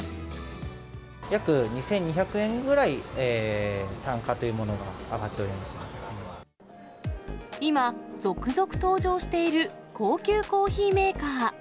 約２２００円ぐらい、単価と今、続々登場している、高級コーヒーメーカー。